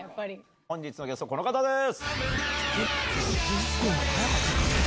本日のゲスト、この方です。